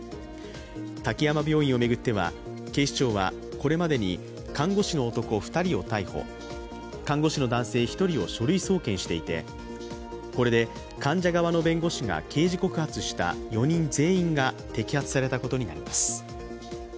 滝山病院を巡っては、警視庁はこれまでに看護師の男２人を逮捕、看護師の男１人を書類送検していてこれで患者側の弁護士が刑事告発した４人全員が摘発されたことになります。